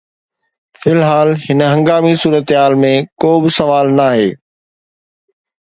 في الحال، هن هنگامي صورتحال ۾ ڪو به سوال ناهي